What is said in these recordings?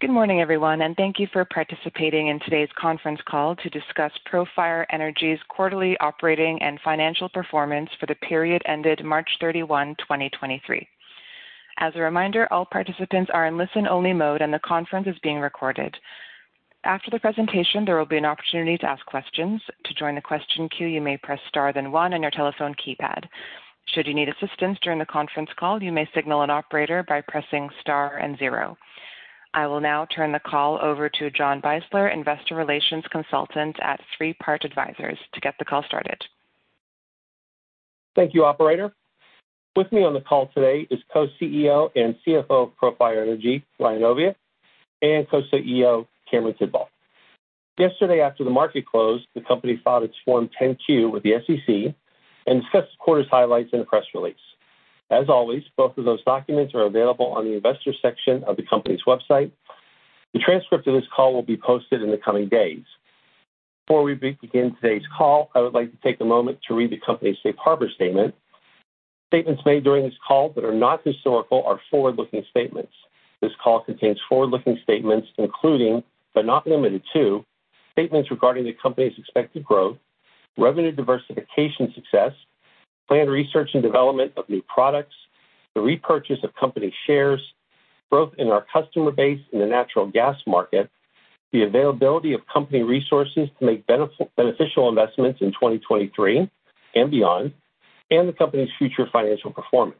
Good morning, everyone, and thank you for participating in today's conference call to Profire Energy's quarterly operating and financial performance for the period ended March 31, 2023. As a reminder, all participants are in listen-only mode, and the conference is being recorded. After the presentation, there will be an opportunity to ask questions. To join the question queue, you may press Star then one on your telephone keypad. Should you need assistance during the conference call, you may signal an operator by pressing Star and 0. I will now turn the call over to John Beisler, Investor Relations Consultant at Three Part Advisors to get the call started. Thank you, operator. With me on the call today is Co-CEO and CFO Profire Energy, Ryan Oviatt, and Co-CEO, Cameron Tidball. Yesterday, after the market closed, the company filed its Form 10-Q with the SEC and discussed quarters highlights in a press release. As always, both of those documents are available on the investor section of the company's website. The transcript of this call will be posted in the coming days. Before we begin today's call, I would like to take a moment to read the company's safe harbor statement. Statements made during this call that are not historical are forward-looking statements. This call contains forward-looking statements including, but not limited to, statements regarding the company's expected growth, revenue diversification success, planned research and development of new products, the repurchase of company shares, growth in our customer base in the natural gas market, the availability of company resources to make beneficial investments in 2023 and beyond, and the company's future financial performance.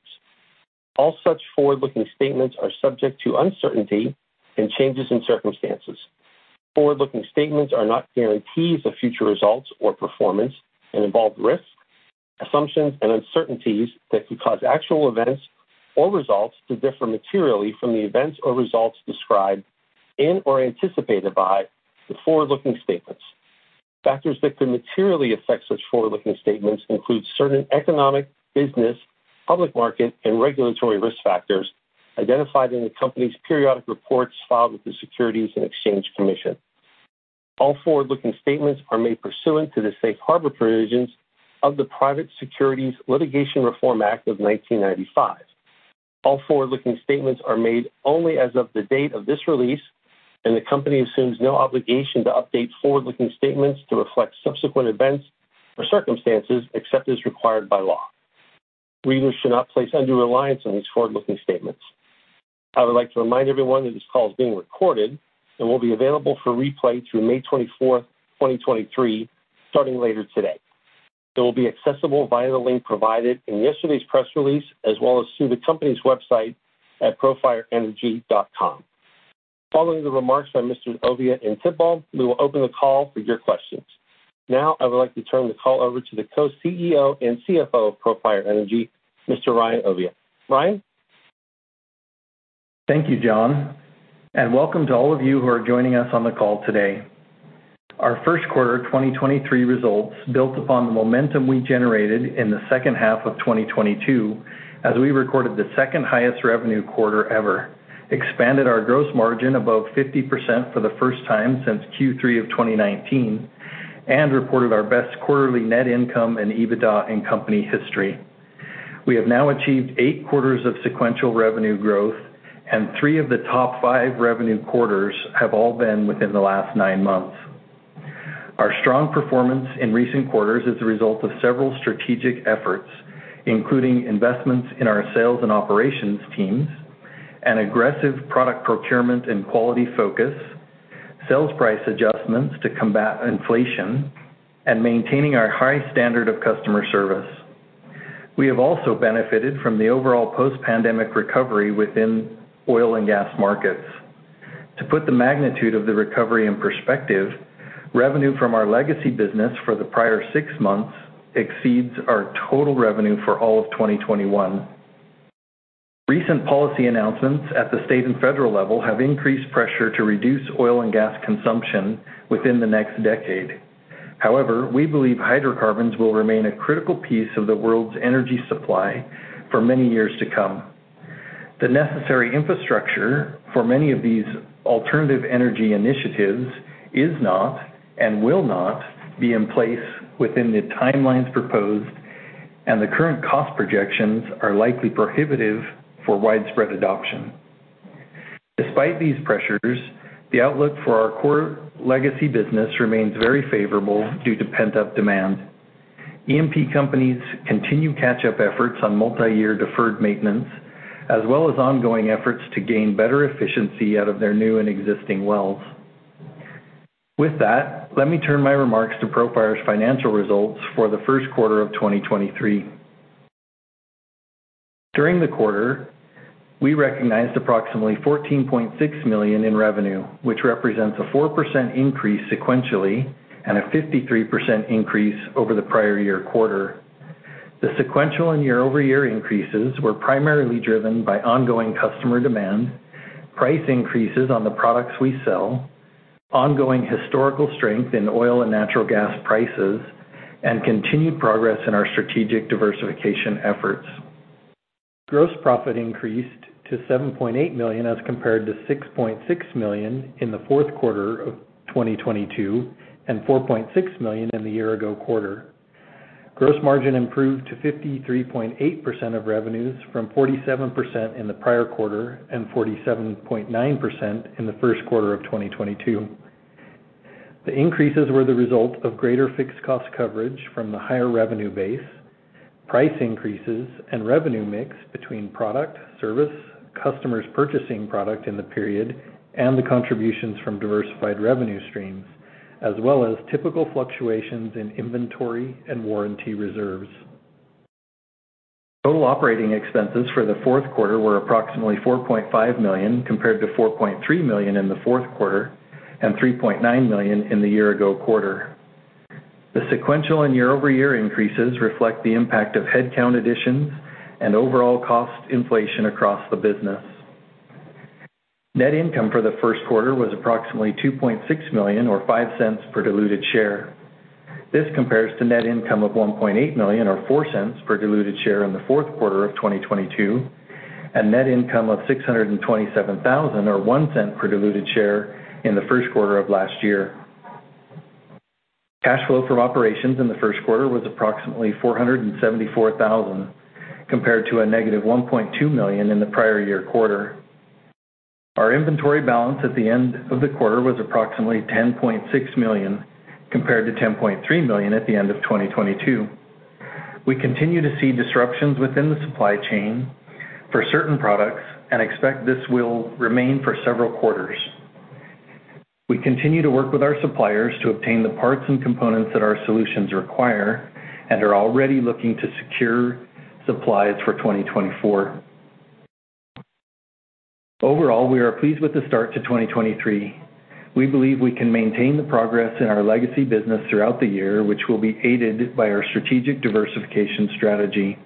All such forward-looking statements are subject to uncertainty and changes in circumstances. Forward-looking statements are not guarantees of future results or performance and involve risks, assumptions, and uncertainties that could cause actual events or results to differ materially from the events or results described in or anticipated by the forward-looking statements. Factors that could materially affect such forward-looking statements include certain economic, business, public market, and regulatory risk factors identified in the company's periodic reports filed with the Securities and Exchange Commission. All forward-looking statements are made pursuant to the Safe Harbor Provisions of the Private Securities Litigation Reform Act of 1995. All forward-looking statements are made only as of the date of this release, and the company assumes no obligation to update forward-looking statements to reflect subsequent events or circumstances except as required by law. Readers should not place undue reliance on these forward-looking statements. I would like to remind everyone that this call is being recorded and will be available for replay through May 24th, 2023, starting later today. It will be accessible via the link provided in yesterday's press release, as well as through the company's website at profireenergy.com. Following the remarks by Mr. Oviatt and Tidball, we will open the call for your questions. Now I would like to turn the call over to the Co-CEO and CFO Profire Energy, Mr. Ryan Oviatt. Ryan. Thank you, John, and welcome to all of you who are joining us on the call today. Our first quarter 2023 results built upon the momentum we generated in the second half of 2022, as we recorded the second highest revenue quarter ever, expanded our gross margin above 50% for the first time since Q3 of 2019, and reported our best quarterly net income and EBITDA in company history. We have now achieved 8 quarters of sequential revenue growth, and three of the top five revenue quarters have all been within the last nine months. Our strong performance in recent quarters is a result of several strategic efforts, including investments in our sales and operations teams, and aggressive product procurement and quality focus, sales price adjustments to combat inflation, and maintaining our high standard of customer service. We have also benefited from the overall post-pandemic recovery within oil and gas markets. To put the magnitude of the recovery in perspective, revenue from our legacy business for the prior six months exceeds our total revenue for all of 2021. Recent policy announcements at the state and federal level have increased pressure to reduce oil and gas consumption within the next decade. However, we believe hydrocarbons will remain a critical piece of the world's energy supply for many years to come. The necessary infrastructure for many of these alternative energy initiatives is not and will not be in place within the timelines proposed, and the current cost projections are likely prohibitive for widespread adoption. Despite these pressures, the outlook for our core legacy business remains very favorable due to pent-up demand. E&P companies continue catch-up efforts on multi-year deferred maintenance, as well as ongoing efforts to gain better efficiency out of their new and existing wells. With that, let me turn my remarks Profire's financial results for the first quarter of 2023. During the quarter, we recognized approximately $14.6 million in revenue, which represents a 4% increase sequentially and a 53% increase over the prior year quarter. Sequential and YoY increases were primarily driven by ongoing customer demand, price increases on the products we sell, ongoing historical strength in oil and natural gas prices, and continued progress in our strategic diversification efforts. Gross profit increased to $7.8 million as compared to $6.6 million in the fourth quarter of 2022 and $4.6 million in the year-ago quarter. Gross margin improved to 53.8% of revenues from 47% in the prior quarter and 47.9% in the first quarter of 2022. The increases were the result of greater fixed cost coverage from the higher revenue base, price increases and revenue mix between product, service, customers purchasing product in the period and the contributions from diversified revenue streams, as well as typical fluctuations in inventory and warranty reserves. Total operating expenses for the fourth quarter were approximately $4.5 million compared to $4.3 million in the fourth quarter and $3.9 million in the year-ago quarter. The sequential and YoY increases reflect the impact of headcount additions and overall cost inflation across the business. Net income for the first quarter was approximately $2.6 million or $0.05 per diluted share. This compares to net income of $1.8 million or $0.04 per diluted share in the fourth quarter of 2022, and net income of $627,000 or $0.01 per diluted share in the first quarter of last year. Cash flow from operations in the first quarter was approximately $474,000, compared to a -$1.2 million in the prior year quarter. Our inventory balance at the end of the quarter was approximately $10.6 million, compared to $10.3 million at the end of 2022. We continue to see disruptions within the supply chain for certain products and expect this will remain for several quarters. We continue to work with our suppliers to obtain the parts and components that our solutions require and are already looking to secure supplies for 2024. Overall, we are pleased with the start to 2023. We believe we can maintain the progress in our legacy business throughout the year, which will be aided by our strategic diversification strategy.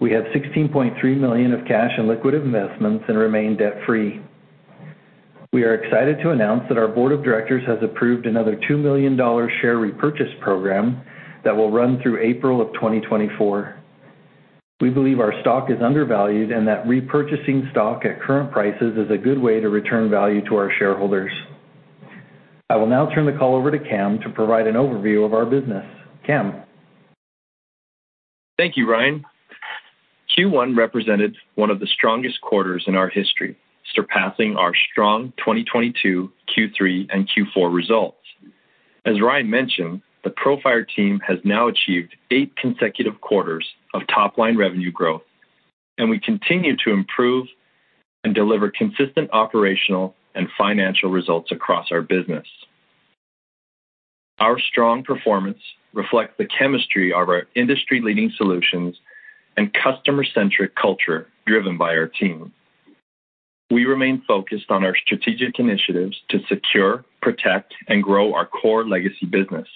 We have $16.3 million of cash and liquid investments and remain debt-free. We are excited to announce that our board of directors has approved another $2 million share repurchase program that will run through April of 2024. We believe our stock is undervalued and that repurchasing stock at current prices is a good way to return value to our shareholders. I will now turn the call over to Cam to provide an overview of our business. Cam. Thank you, Ryan. Q1 represented one of the strongest quarters in our history, surpassing our strong 2022 Q3 and Q4 results. As Ryan mentioned, Profire team has now achieved eight consecutive quarters of top-line revenue growth, we continue to improve and deliver consistent operational and financial results across our business. Our strong performance reflects the chemistry of our industry-leading solutions and customer-centric culture driven by our team. We remain focused on our strategic initiatives to secure, protect, and grow our core legacy business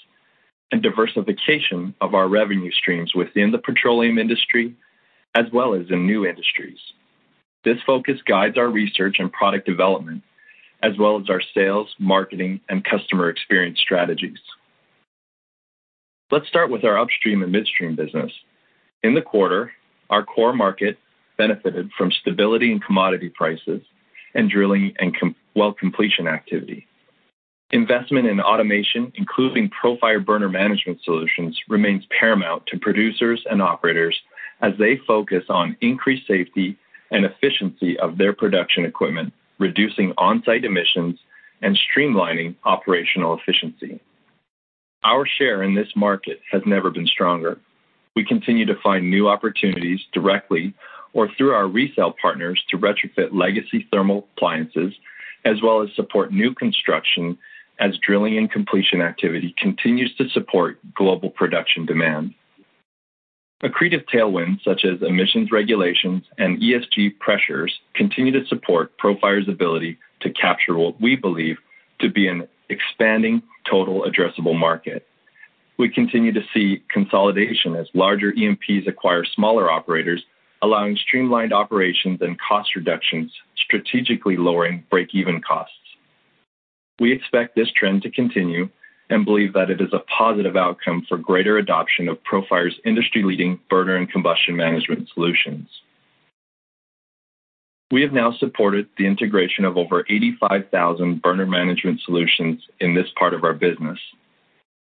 and diversification of our revenue streams within the petroleum industry as well as in new industries. This focus guides our research and product development as well as our sales, marketing, and customer experience strategies. Let's start with our upstream and midstream business. In the quarter, our core market benefited from stability in commodity prices and drilling and well completion activity. Investment in automation, Profire burner management solutions, remains paramount to producers and operators as they focus on increased safety and efficiency of their production equipment, reducing on-site emissions and streamlining operational efficiency. Our share in this market has never been stronger. We continue to find new opportunities directly or through our resale partners to retrofit legacy thermal appliances, as well as support new construction as drilling and completion activity continues to support global production demand. Accretive tailwinds such as emissions regulations and ESG pressures continue to Profire's ability to capture what we believe to be an expanding total addressable market. We continue to see consolidation as larger E&Ps acquire smaller operators, allowing streamlined operations and cost reductions, strategically lowering break-even costs. We expect this trend to continue and believe that it is a positive outcome for greater adoption Profire's industry-leading burner and combustion management solutions. We have now supported the integration of over 85,000 burner management solutions in this part of our business.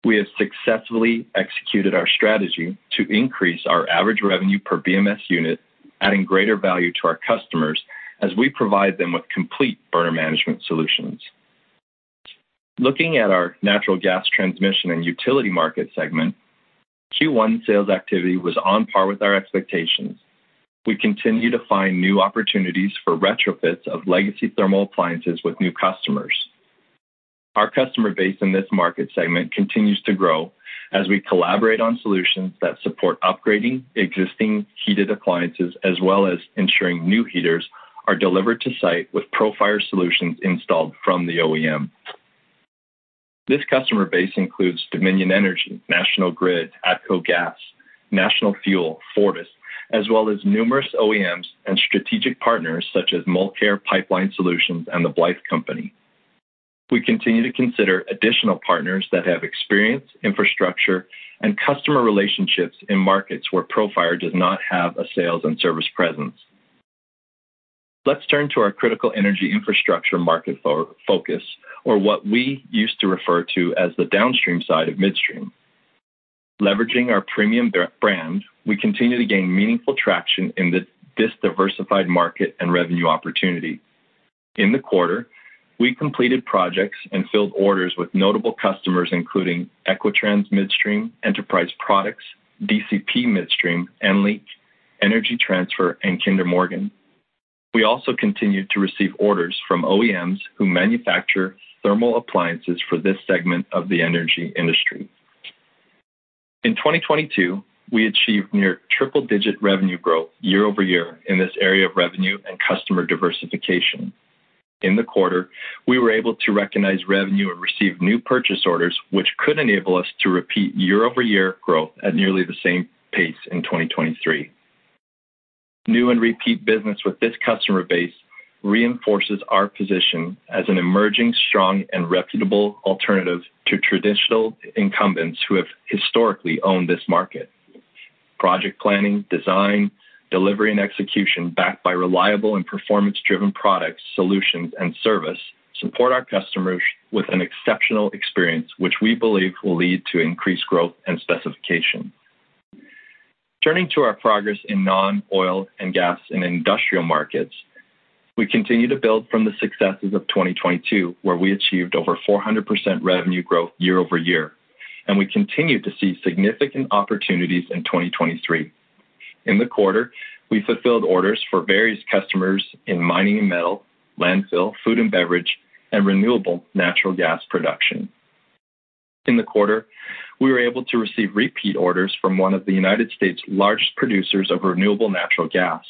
We have successfully executed our strategy to increase our average revenue per BMS unit, adding greater value to our customers as we provide them with complete burner management solutions. Looking at our natural gas transmission and utility market segment, Q1 sales activity was on par with our expectations. We continue to find new opportunities for retrofits of legacy thermal appliances with new customers. Our customer base in this market segment continues to grow as we collaborate on solutions that support upgrading existing heated appliances as well as ensuring new heaters are delivered to site Profire solutions installed from the OEM. This customer base includes Dominion Energy, National Grid, ATCO Gas, National Fuel, Fortis, as well as numerous OEMs and strategic partners such as Mulcare Pipeline Solutions and The Blythe Company. We continue to consider additional partners that have experience, infrastructure, and customer relationships in markets Profire does not have a sales and service presence. Let's turn to our critical energy infrastructure market focus or what we used to refer to as the downstream side of midstream. Leveraging our premium brand, we continue to gain meaningful traction in this diversified market and revenue opportunity. In the quarter, we completed projects and filled orders with notable customers including Equitrans Midstream, Enterprise Products, DCP Midstream, EnLink, Energy Transfer, and Kinder Morgan. We also continued to receive orders from OEMs who manufacture thermal appliances for this segment of the energy industry. In 2022, we achieved near triple-digit revenue growth YoY in this area of revenue and customer diversification. In the quarter, we were able to recognize revenue and receive new purchase orders, which could enable us to repeat YoY growth at nearly the same pace in 2023. New and repeat business with this customer base reinforces our position as an emerging, strong, and reputable alternative to traditional incumbents who have historically owned this market. Project planning, design, delivery, and execution backed by reliable and performance-driven products, solutions, and service support our customers with an exceptional experience, which we believe will lead to increased growth and specification. Turning to our progress in non-oil and gas in industrial markets, we continue to build from the successes of 2022, where we achieved over 400% revenue growth YoY, and we continue to see significant opportunities in 2023. In the quarter, we fulfilled orders for various customers in mining and metal, landfill, food and beverage, and renewable natural gas production. In the quarter, we were able to receive repeat orders from one of the United States' largest producers of renewable natural gas.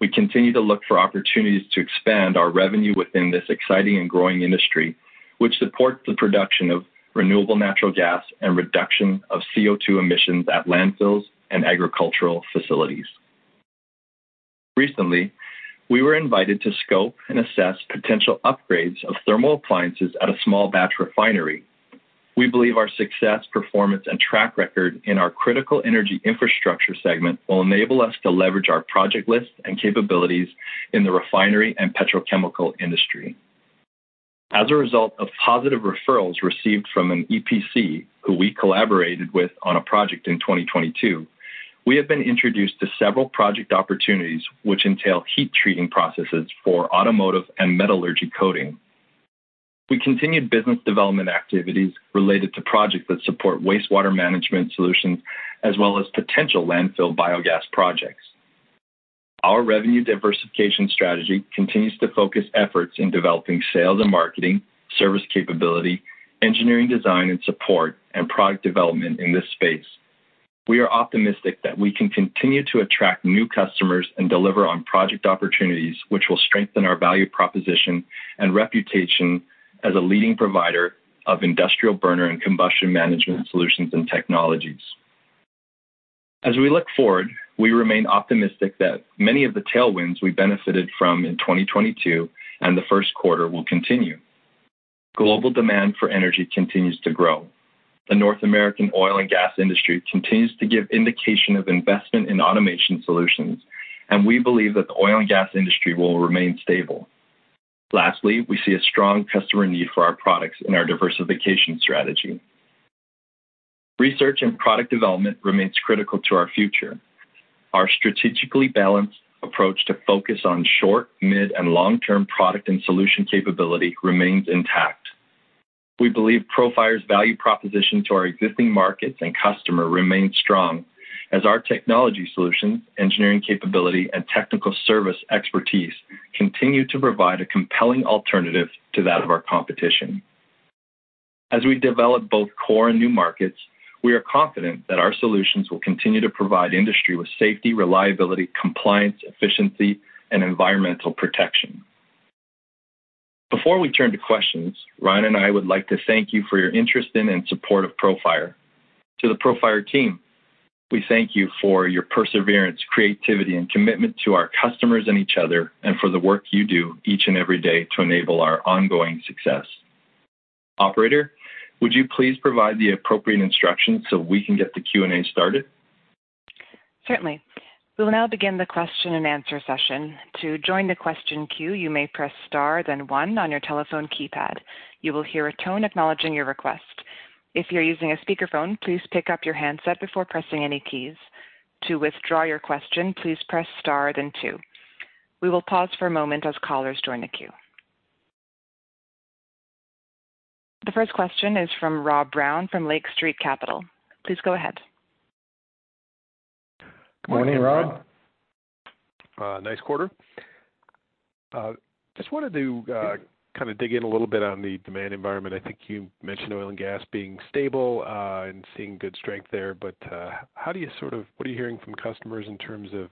We continue to look for opportunities to expand our revenue within this exciting and growing industry, which supports the production of renewable natural gas and reduction of CO2 emissions at landfills and agricultural facilities. Recently, we were invited to scope and assess potential upgrades of thermal appliances at a small batch refinery. We believe our success, performance, and track record in our critical energy infrastructure segment will enable us to leverage our project list and capabilities in the refinery and petrochemical industry. As a result of positive referrals received from an EPC who we collaborated with on a project in 2022, we have been introduced to several project opportunities which entail heat treating processes for automotive and metallurgic coating. We continued business development activities related to projects that support wastewater management solutions as well as potential landfill biogas projects. Our revenue diversification strategy continues to focus efforts in developing sales and marketing, service capability, engineering design and support, and product development in this space. We are optimistic that we can continue to attract new customers and deliver on project opportunities, which will strengthen our value proposition and reputation as a leading provider of industrial burner and combustion management solutions and technologies. As we look forward, we remain optimistic that many of the tailwinds we benefited from in 2022 and the first quarter will continue. Global demand for energy continues to grow. The North American oil and gas industry continues to give indication of investment in automation solutions, and we believe that the oil and gas industry will remain stable. Lastly, we see a strong customer need for our products and our diversification strategy. Research and product development remains critical to our future. Our strategically balanced approach to focus on short, mid, and long-term product and solution capability remains intact. We Profire's value proposition to our existing markets and customer remains strong as our technology solutions, engineering capability, and technical service expertise continue to provide a compelling alternative to that of our competition. As we develop both core and new markets, we are confident that our solutions will continue to provide industry with safety, reliability, compliance, efficiency, and environmental protection. Before we turn to questions, Ryan and I would like to thank you for your interest in and support Profire. To Profire team, we thank you for your perseverance, creativity, and commitment to our customers and each other, and for the work you do each and every day to enable our ongoing success. Operator, would you please provide the appropriate instructions so we can get the Q&A started? Certainly. We will now begin the question and answer session. To join the question queue, you may press star then 1 on your telephone keypad. You will hear a tone acknowledging your request. If you're using a speakerphone, please pick up your handset before pressing any keys. To withdraw your question, please press star then 2. We will pause for a moment as callers join the queue. The first question is from Rob Brown from Lake Street Capital. Please go ahead. Morning, Rob. Nice quarter. Just wanted to kind of dig in a little bit on the demand environment. I think you mentioned oil and gas being stable and seeing good strength there. How do you sort of what are you hearing from customers in terms of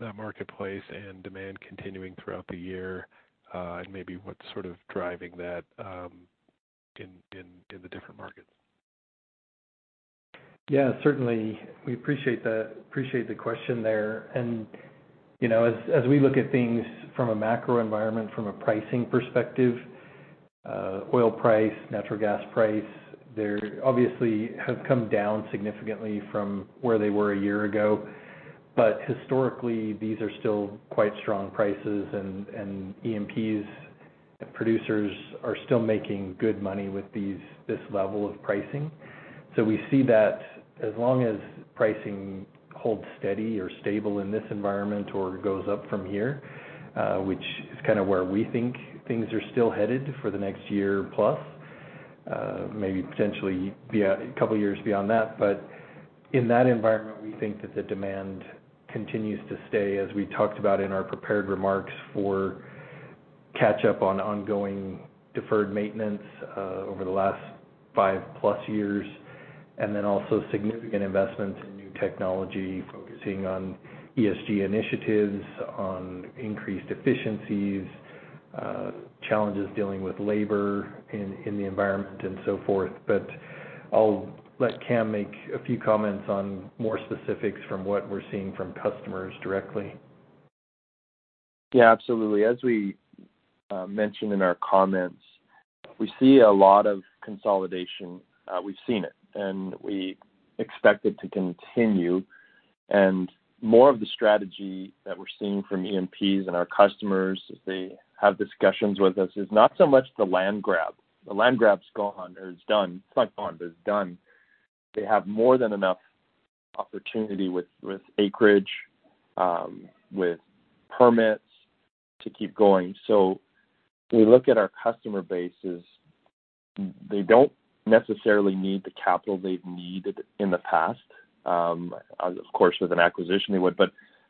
that marketplace and demand continuing throughout the year? Maybe what's sort of driving that in, in the different markets? Yeah, certainly. We appreciate that. Appreciate the question there. You know, as we look at things from a macro environment, from a pricing perspective Oil price, natural gas price, they're obviously have come down significantly from where they were a year ago. Historically, these are still quite strong prices, and E&Ps producers are still making good money with this level of pricing. We see that as long as pricing holds steady or stable in this environment or goes up from here, which is kind of where we think things are still headed for the next year+, maybe potentially two years beyond that. In that environment, we think that the demand continues to stay, as we talked about in our prepared remarks, for catch up on ongoing deferred maintenance, over the last 5+ years, and then also significant investments in new technology, focusing on ESG initiatives, on increased efficiencies, challenges dealing with labor in the environment and so forth. I'll let Cam make a few comments on more specifics from what we're seeing from customers directly. Yeah, absolutely. As we mentioned in our comments, we see a lot of consolidation. We've seen it, and we expect it to continue. More of the strategy that we're seeing from E&P's and our customers as they have discussions with us is not so much the land grab. The land grab is gone. It's done. It's not gone, but it's done. They have more than enough opportunity with acreage, with permits to keep going. We look at our customer bases, they don't necessarily need the capital they've needed in the past. Of course, with an acquisition, they would.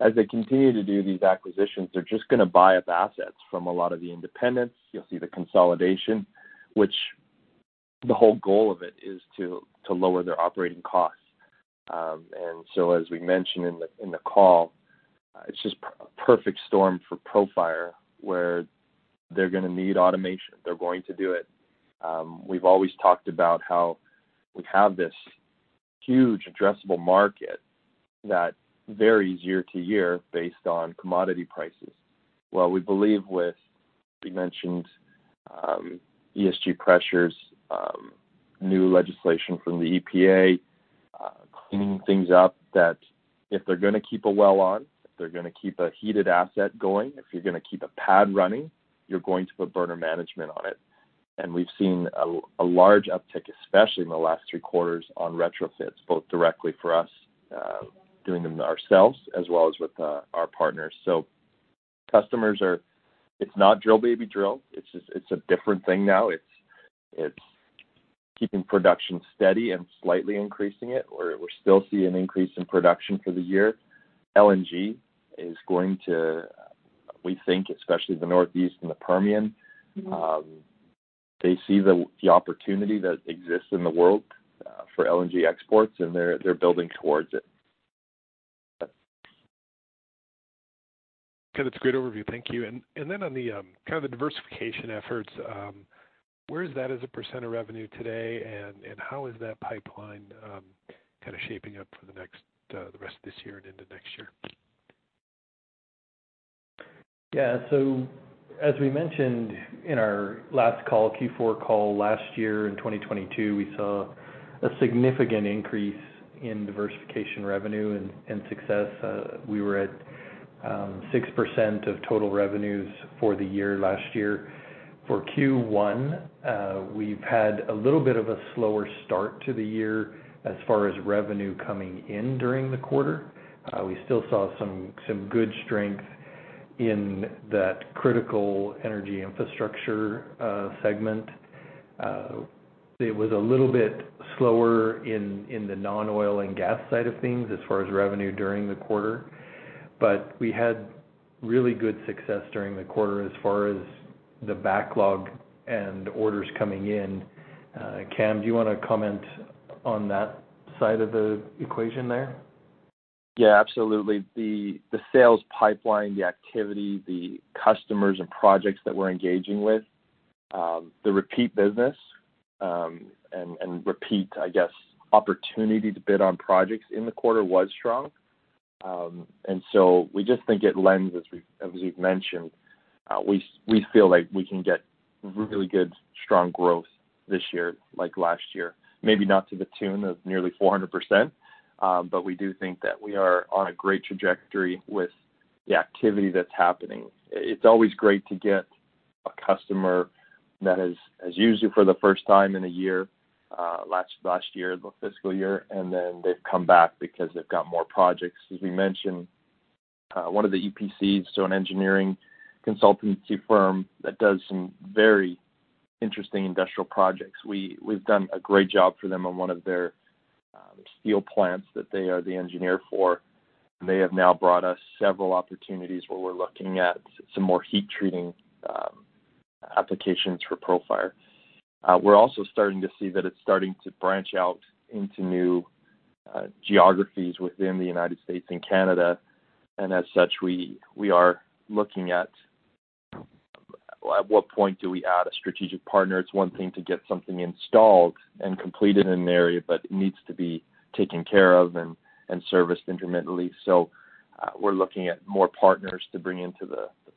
As they continue to do these acquisitions, they're just gonna buy up assets from a lot of the independents. You'll see the consolidation, which the whole goal of it is to lower their operating costs. As we mentioned in the call, it's just a perfect storm Profire, where they're gonna need automation, they're going to do it. We've always talked about how we have this huge addressable market that varies year to year based on commodity prices. We believe with, we mentioned, ESG pressures, new legislation from the EPA, cleaning things up, that if they're gonna keep a well on, if they're gonna keep a heated asset going, if you're gonna keep a pad running, you're going to put burner management on it. We've seen a large uptick, especially in the last 3 quarters, on retrofits, both directly for us, doing them ourselves as well as with our partners. Customers, it's not drill, baby, drill. It's a different thing now. It's keeping production steady and slightly increasing it, or we're still seeing an increase in production for the year. LNG is going to, we think, especially the Northeast and the Permian, they see the opportunity that exists in the world for LNG exports, and they're building towards it. Good. It's a great overview. Thank you. On the, kind of the diversification efforts, where is that as 1% of revenue today, and how is that pipeline, kind of shaping up for the next, the rest of this year and into next year? As we mentioned in our last call, Q4 call last year in 2022, we saw a significant increase in diversification revenue and success. We were at 6% of total revenues for the year last year. For Q1, we've had a little bit of a slower start to the year as far as revenue coming in during the quarter. We still saw some good strength in that critical energy infrastructure segment. It was a little bit slower in the non-oil and gas side of things as far as revenue during the quarter, but we had really good success during the quarter as far as the backlog and orders coming in. Cam, do you wanna comment on that side of the equation there? Yeah, absolutely. The sales pipeline, the activity, the customers and projects that we're engaging with, the repeat business, and repeat, I guess, opportunity to bid on projects in the quarter was strong. We just think it lends, as we've mentioned, we feel like we can get really good, strong growth this year like last year. Maybe not to the tune of nearly 400%, we do think that we are on a great trajectory with the activity that's happening. It's always great to get a customer that has used you for the first time in a year, last year, the fiscal year, and then they've come back because they've got more projects. As we mentioned, one of the EPCs, so an engineering consultancy firm that does some very interesting industrial projects, we've done a great job for them on one of their steel plants that they are the engineer for. They have now brought us several opportunities where we're looking at some more heat treating applications Profire. We're also starting to see that it's starting to branch out into new geographies within the United States and Canada, and as such, we are looking at what point do we add a strategic partner? It's one thing to get something installed and completed in an area, but it needs to be taken care of and serviced incrementally. We're looking at more partners to bring into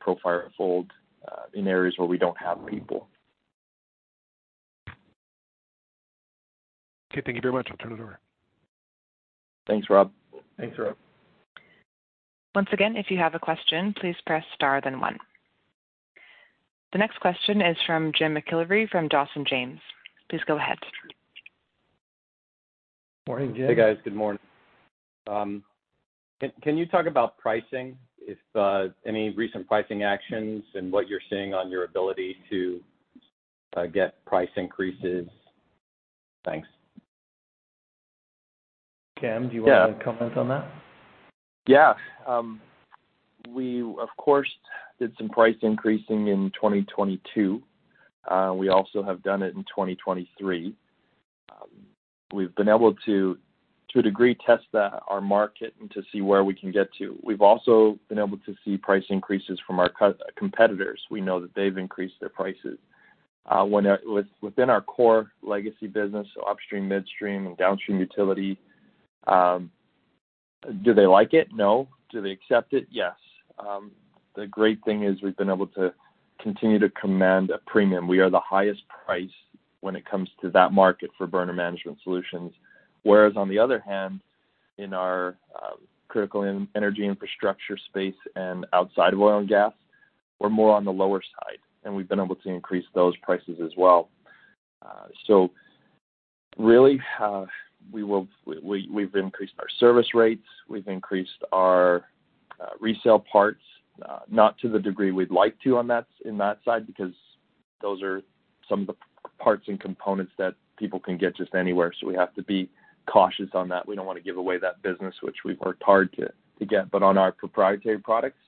Profire fold in areas where we don't have people. Okay. Thank you very much. I'll turn it over. Thanks, Rob. Thanks, Rob. Once again, if you have a question, please press star then one. The next question is from Jim McIlree from Dawson James. Please go ahead. Morning, Jim. Hey, guys. Good morning. Can you talk about pricing if, any recent pricing actions and what you're seeing on your ability to, get price increases? Thanks. Cam, do you want to comment on that? Yeah. We, of course, did some price increasing in 2022. We also have done it in 2023. We've been able to a degree, test our market and to see where we can get to. We've also been able to see price increases from our competitors. We know that they've increased their prices. Within our core legacy business, so upstream, midstream, and downstream utility, do they like it? No. Do they accept it? Yes. The great thing is we've been able to continue to command a premium. We are the highest price when it comes to that market for burner management solutions. On the other hand, in our critical energy infrastructure space and outside of oil and gas, we're more on the lower side, and we've been able to increase those prices as well. Really, we've increased our service rates. We've increased our resale parts, not to the degree we'd like to in that side because those are some of the parts and components that people can get just anywhere, so we have to be cautious on that. We don't wanna give away that business which we've worked hard to get. On our proprietary products,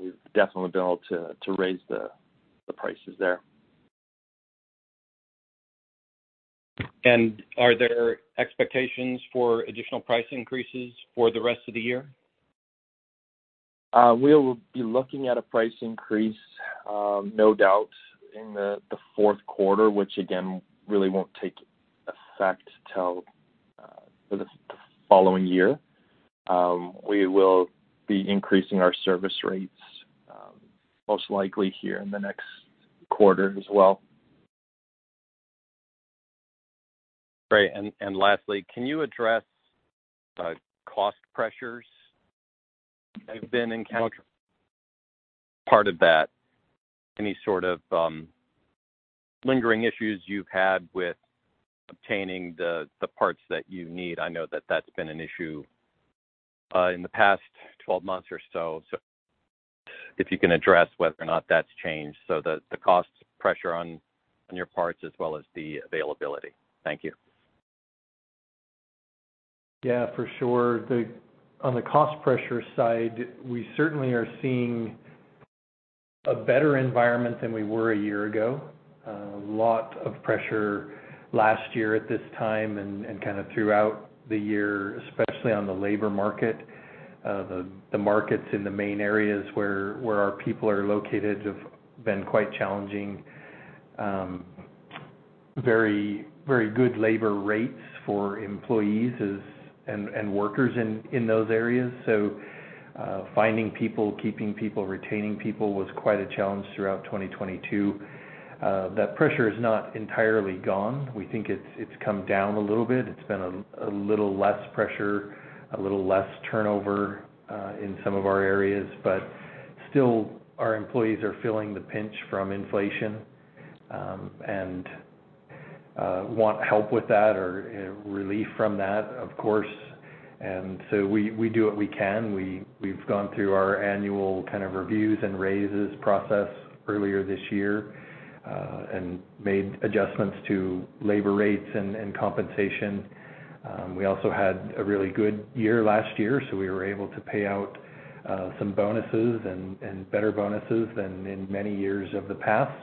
we've definitely been able to raise the prices there. Are there expectations for additional price increases for the rest of the year? We will be looking at a price increase, no doubt in the fourth quarter, which again, really won't take effect till the following year. We will be increasing our service rates, most likely here in the next quarter as well. Great. Lastly, can you address cost pressures that you've been encounter- part of that? Any sort of lingering issues you've had with obtaining the parts that you need? I know that that's been an issue in the past 12 months or so. If you can address whether or not that's changed, so the cost pressure on your parts as well as the availability. Thank you. Yeah, for sure. On the cost pressure side, we certainly are seeing a better environment than we were a year ago. A lot of pressure last year at this time and kind of throughout the year, especially on the labor market. The markets in the main areas where our people are located have been quite challenging. Very, very good labor rates for employees and workers in those areas. Finding people, keeping people, retaining people was quite a challenge throughout 2022. That pressure is not entirely gone. We think it's come down a little bit. It's been a little less pressure, a little less turnover in some of our areas. Still, our employees are feeling the pinch from inflation, and want help with that or relief from that, of course. We do what we can. We've gone through our annual kind of reviews and raises process earlier this year, and made adjustments to labor rates and compensation. We also had a really good year last year, so we were able to pay out some bonuses and better bonuses than in many years of the past.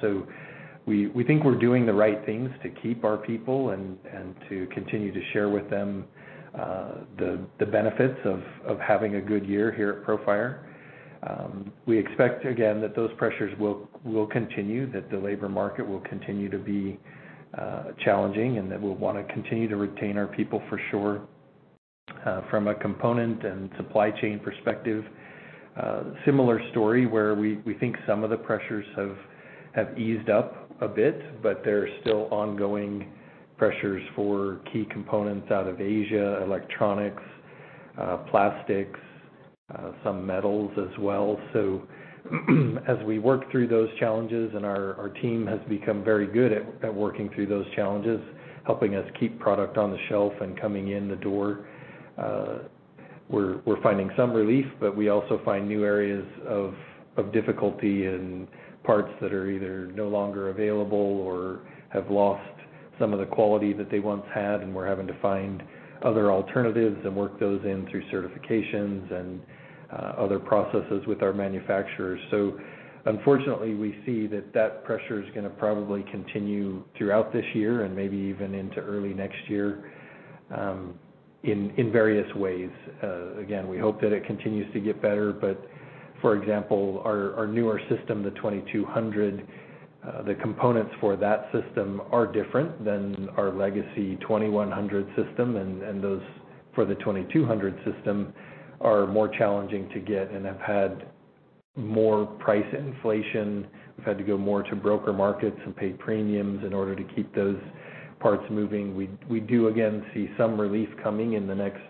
We think we're doing the right things to keep our people and to continue to share with them the benefits of having a good year here Profire. We expect again, that those pressures will continue, that the labor market will continue to be challenging, and that we'll wanna continue to retain our people for sure. From a component and supply chain perspective, similar story where we think some of the pressures have eased up a bit, but there are still ongoing pressures for key components out of Asia, electronics, plastics, some metals as well. As we work through those challenges, and our team has become very good at working through those challenges, helping us keep product on the shelf and coming in the door, we're finding some relief, but we also find new areas of difficulty and parts that are either no longer available or have lost some of the quality that they once had, and we're having to find other alternatives and work those in through certifications and other processes with our manufacturers. Unfortunately, we see that that pressure is gonna probably continue throughout this year and maybe even into early next year, in various ways. Again, we hope that it continues to get better. For example, our newer system, the 2,200, the components for that system are different than our legacy 2,100 system. Those for the 2,200 system are more challenging to get and have had more price inflation. We've had to go more to broker markets and pay premiums in order to keep those parts moving. We do again see some relief coming in the next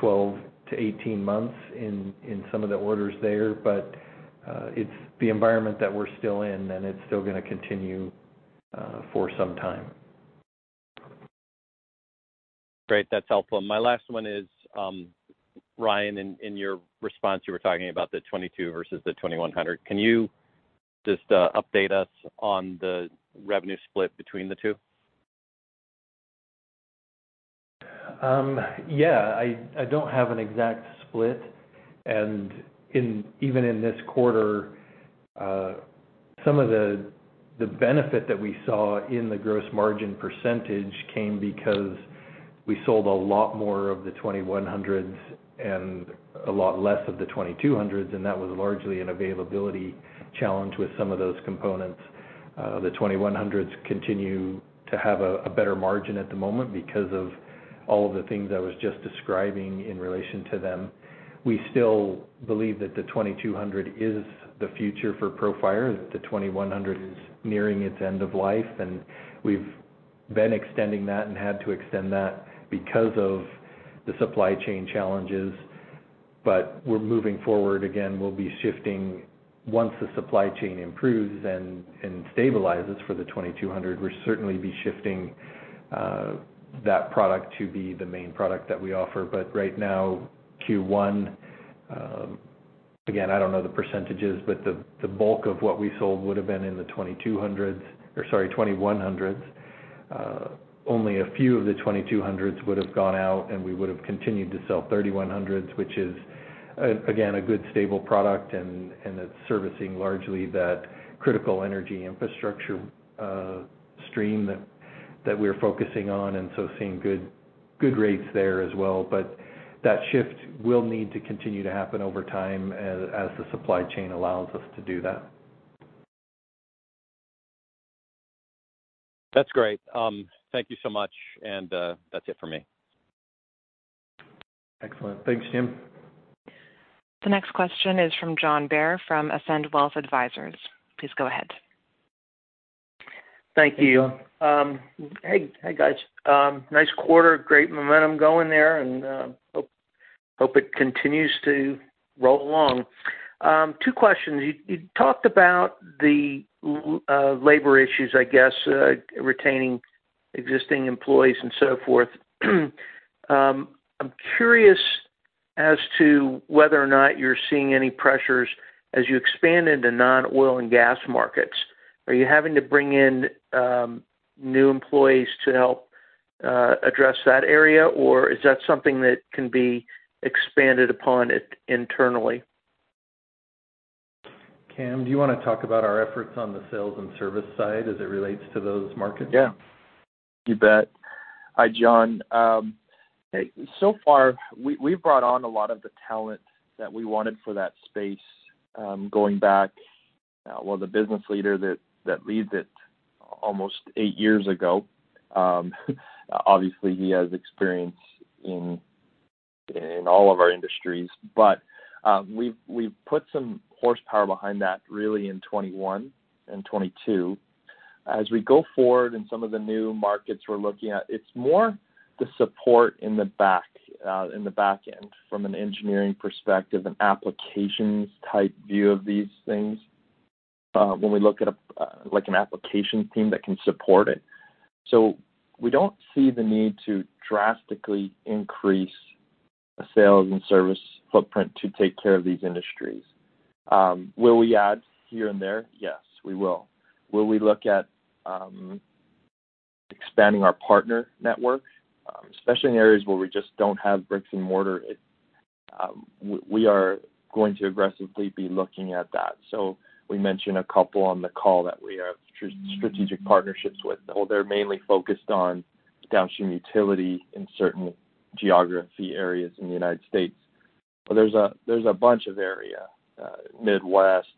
12 to 18 months in some of the orders there, but it's the environment that we're still in, and it's still gonna continue for some time. Great. That's helpful. My last one is, Ryan, in your response, you were talking about the 2,200 versus the 2,100. Can you just update us on the revenue split between the two? Yeah, I don't have an exact split. Even in this quarter, some of the benefit that we saw in the gross margin percentage came because we sold a lot more of the 2,100s and a lot less of the 2,200s, and that was largely an availability challenge with some of those components. The 2,100s continue to have a better margin at the moment because of all of the things I was just describing in relation to them. We still believe that the 2,200 is the future Profire, that the 2,100 is nearing its end of life, and we've been extending that and had to extend that because of the supply chain challenges. We're moving forward. We'll be shifting once the supply chain improves and stabilizes for the 2,200. We'll certainly be shifting that product to be the main product that we offer. Right now, Q1, again, I don't know the percentages, but the bulk of what we sold would have been in the 2,200s or sorry, 2,100s. Only a few of the 2,200s would have gone out, and we would have continued to sell 3,100s, which is, again, a good stable product and it's servicing largely that critical energy infrastructure stream that we're focusing on, and so seeing good rates there as well. That shift will need to continue to happen over time as the supply chain allows us to do that. That's great. Thank you so much. That's it for me. Excellent. Thanks, Jim. The next question is from John Bair from Ascend Wealth Advisors. Please go ahead. Thank you. Hey, hi, guys. Nice quarter. Great momentum going there, and hope it continues to roll along. Two questions. You talked about the labor issues, I guess, retaining existing employees and so forth. I'm curious as to whether or not you're seeing any pressures as you expand into non-oil and gas markets. Are you having to bring in new employees to help address that area, or is that something that can be expanded upon it internally? Cam, do you wanna talk about our efforts on the sales and service side as it relates to those markets? Yeah. You bet. Hi, John. So far we've brought on a lot of the talent that we wanted for that space, going back, well, the business leader that leads it almost eight years ago. Obviously he has experience in all of our industries. We've put some horsepower behind that really in 2021 and 2022. As we go forward in some of the new markets we're looking at, it's more the support in the back end from an engineering perspective and applications type view of these things, when we look at a, like, an application team that can support it. We don't see the need to drastically increase a sales and service footprint to take care of these industries. Will we add here and there? Yes, we will. Will we look at, expanding our partner network, especially in areas where we just don't have bricks and mortar? We are going to aggressively be looking at that. We mentioned a couple on the call that we have strategic partnerships with, though they're mainly focused on downstream utility in certain geography areas in the United States. There's a bunch of area, Midwest,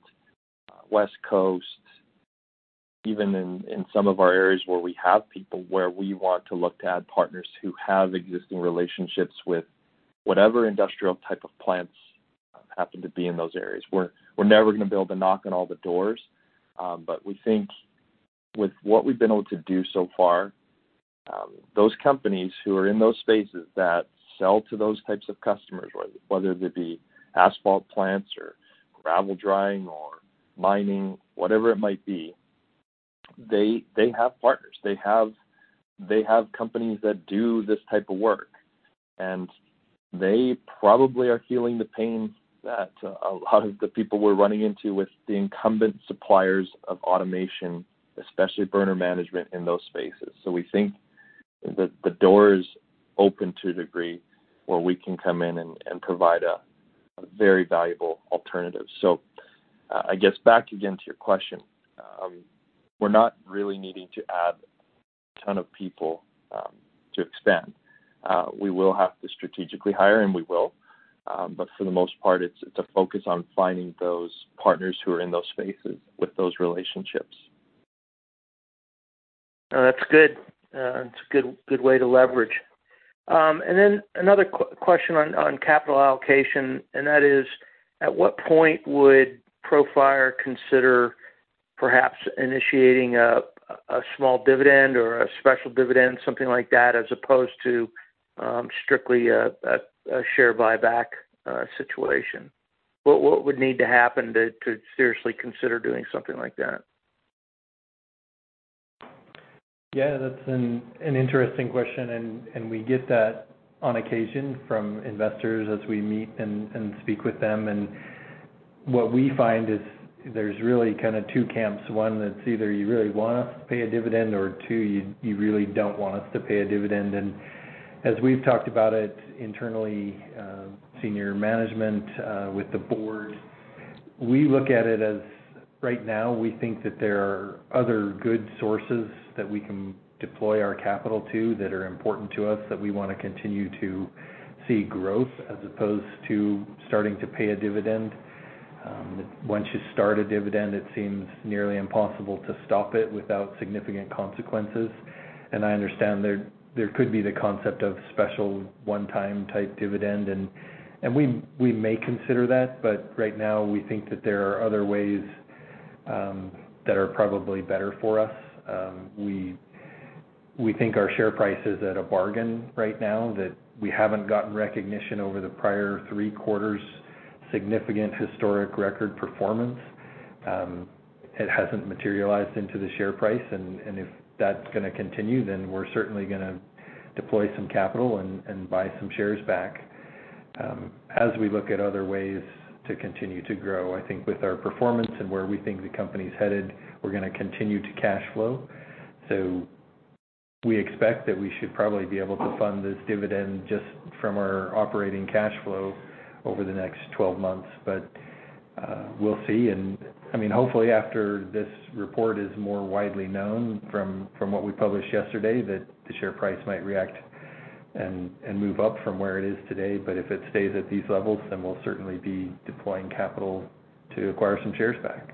West Coast, even in some of our areas where we have people where we want to look to add partners who have existing relationships with whatever industrial type of plants happen to be in those areas. We're never gonna be able to knock on all the doors, but we think with what we've been able to do so far, those companies who are in those spaces that sell to those types of customers, whether it be asphalt plants or gravel drying or mining, whatever it might be, they have partners. They have companies that do this type of work. They probably are feeling the pain that a lot of the people we're running into with the incumbent suppliers of automation, especially burner management in those spaces. We think that the door is open to a degree where we can come in and provide a very valuable alternative. I guess back again to your question, we're not really needing to add ton of people to expand. We will have to strategically hire, and we will. For the most part, it's a focus on finding those partners who are in those spaces with those relationships. No, that's good. It's a good way to leverage. Another question on capital allocation, and that is at what point Profire consider perhaps initiating a small dividend or a special dividend, something like that, as opposed to strictly a share buyback situation? What would need to happen to seriously consider doing something like that? Yeah, that's an interesting question, and we get that on occasion from investors as we meet and speak with them. What we find is there's really kinda two camps. One, that's either you really want us to pay a dividend or two, you really don't want us to pay a dividend. As we've talked about it internally, senior management with the board, we look at it as right now we think that there are other good sources that we can deploy our capital to that are important to us that we wanna continue to see growth as opposed to starting to pay a dividend. Once you start a dividend, it seems nearly impossible to stop it without significant consequences. I understand there could be the concept of special one-time type dividend and we may consider that, but right now we think that there are other ways that are probably better for us. We, we think our share price is at a bargain right now, that we haven't gotten recognition over the prior three quarters, significant historic record performance. It hasn't materialised into the share price and if that's gonna continue, then we're certainly gonna deploy some capital and buy some shares back. As we look at other ways to continue to grow, I think with our performance and where we think the company's headed, we're gonna continue to cash flow. We expect that we should probably be able to fund this dividend just from our operating cash flow over the next 12 months. We'll see. I mean, hopefully after this report is more widely known from what we published yesterday, that the share price might react and move up from where it is today. If it stays at these levels, then we'll certainly be deploying capital to acquire some shares back.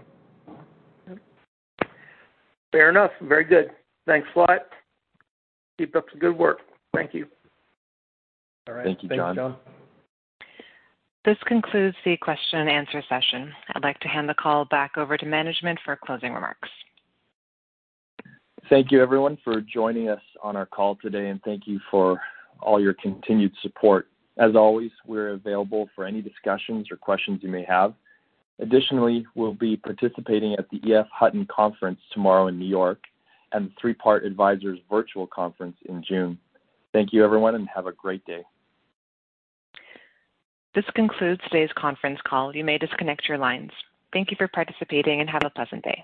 Fair enough. Very good. Thanks a lot. Keep up the good work. Thank you. All right. Thank you, John. Thank you, John. This concludes the question and answer session. I'd like to hand the call back over to management for closing remarks. Thank you everyone for joining us on our call today, and thank you for all your continued support. As always, we're available for any discussions or questions you may have. Additionally, we'll be participating at the EF Hutton Conference tomorrow in New York and the Three Part Advisor's virtual conference in June. Thank you everyone, and have a great day. This concludes today's conference call. You may disconnect your lines. Thank you for participating and have a pleasant day.